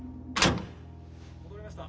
戻りました！